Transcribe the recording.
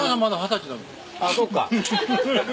あっそっか。